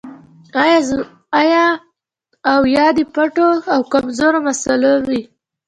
او يا د پټو د کمزورۍ مسئله وي